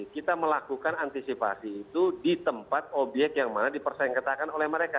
kita melakukan antisipasi itu di tempat obyek yang mana dipersaing ketakan oleh mereka